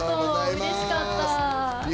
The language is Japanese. うれしかった。